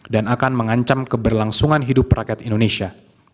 dan akan mengancam keberlangsungan hidup rakyat indonesia